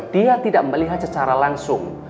dia tidak melihat secara langsung